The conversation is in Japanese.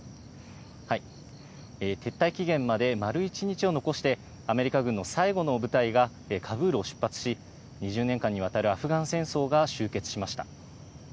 撤退期限まで丸一日を残してアメリカ軍の最後の部隊がカブールを出発し、２０年間にわたるアフガン戦争は終結しました。